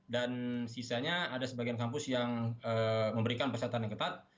dan sisanya ada sebagian kampus yang memberikan persyaratan yang ketat